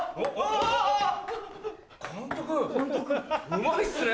うまいっすね。